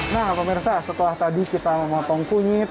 nah pemirsa setelah tadi kita memotong kunyit